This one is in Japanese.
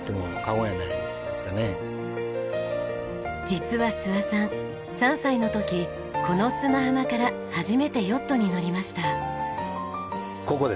実は諏訪さん３歳の時この砂浜から初めてヨットに乗りました。